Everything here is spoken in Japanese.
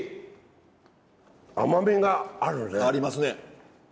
甘みがあるね。ありますね。